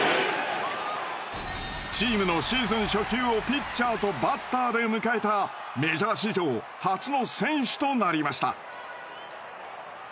チームのシーズン初球をピッチャーとバッターで迎えたメジャー史上初の選手となりました。